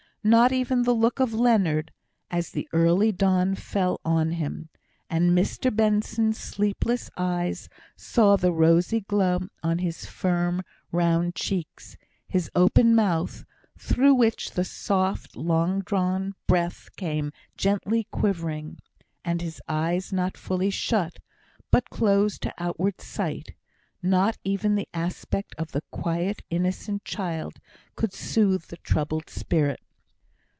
Not even the look of Leonard, as the early dawn fell on him, and Mr Benson's sleepless eyes saw the rosy glow on his firm round cheeks; his open mouth, through which the soft, long drawn breath came gently quivering; and his eyes not fully shut, but closed to outward sight not even the aspect of the quiet, innocent child could soothe the troubled spirit.